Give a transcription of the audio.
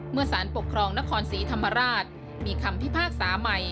สารปกครองนครศรีธรรมราชมีคำพิพากษาใหม่